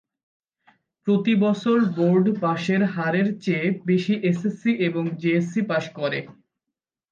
প্রতিবছর বোর্ড পাশের হারের চেয়ে বেশি এস এস সি এবং জেএসসি পাশ করে।